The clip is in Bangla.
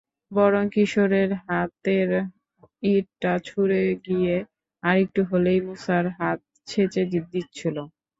বরং কিশোরের হাতের ইঁটটা ছুটে গিয়ে আরেকটু হলেই মুসার হাত ছেঁচে দিচ্ছিল।